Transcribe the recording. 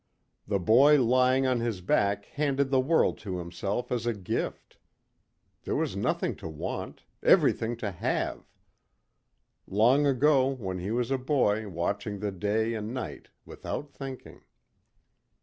The boy lying on his back handed the world to himself as a gift. There was nothing to want, everything to have. Long ago when he was a boy watching the day and night without thinking.